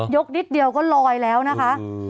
นิดเดียวก็ลอยแล้วนะคะ